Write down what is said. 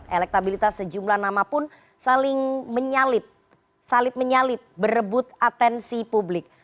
elektabilitas sejumlah nama pun saling menyalip salib menyalip berebut atensi publik